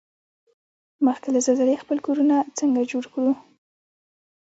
مخکې له زلزلې خپل کورنه څنګه جوړ کوړو؟